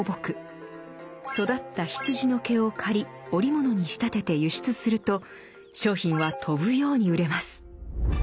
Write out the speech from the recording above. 育った羊の毛を刈り織物に仕立てて輸出すると商品は飛ぶように売れます。